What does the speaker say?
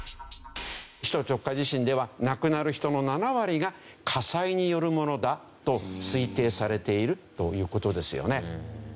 首都直下地震では亡くなる人の７割が火災によるものだと推定されているという事ですよね。